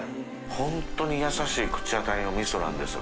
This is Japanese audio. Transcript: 本当に優しい口当たりの味噌なんですよ。